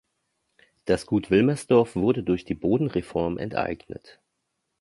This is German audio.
Das Gut Wilmersdorf wurde durch die Bodenreform enteignet.